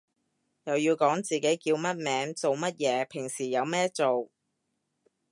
又要講自己叫咩名做咩嘢平時有咩做